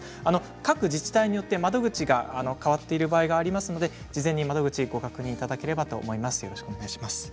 各自治体によって窓口が変わっている場合がありますので事前に窓口をご確認いただければと思います。